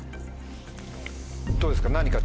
どうですか？